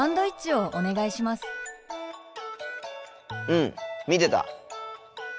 うん見てた。